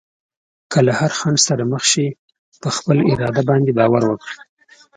که له هر خنډ سره مخ شې، په خپل اراده باندې باور وکړه.